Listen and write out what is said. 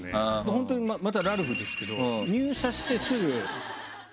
本当にまたラルフですけど入社してすぐそのとき